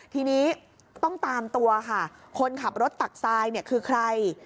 ทีนี้ต้องตามตัวค่ะคนขับรถตักทรายเนี่ยคือใคร